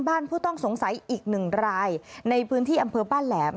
ผู้ต้องสงสัยอีกหนึ่งรายในพื้นที่อำเภอบ้านแหลม